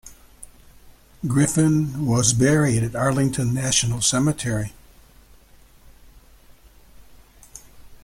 Griffin was buried at Arlington National Cemetery.